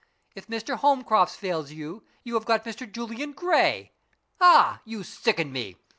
If Mr. Holmcroft fails you, you have got Mr. Julian Gray. Ah! you sicken me.